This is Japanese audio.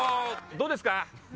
「どうですか」？